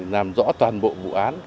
làm rõ toàn bộ vụ án